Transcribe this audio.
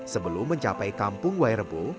sebelum mencapai kampung wairebo